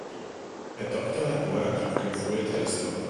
a doctor at work looking through a telescope